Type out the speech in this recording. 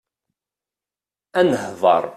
Ad nehḍeṛ.